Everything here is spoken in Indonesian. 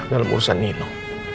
dalam urusan nino